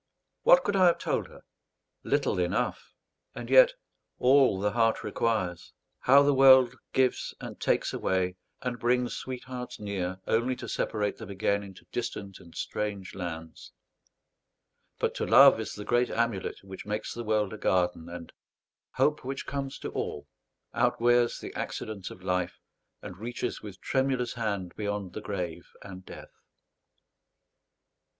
What could I have told her? Little enough; and yet all the heart requires. How the world gives and takes away, and brings sweethearts near only to separate them again into distant and strange lands; but to love is the great amulet which makes the world a garden; and "hope, which comes to all," outwears the accidents of life, and reaches with tremulous hand beyond the grave and death.